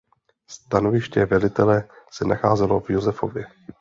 Stanoviště velitele se nacházelo v Josefově.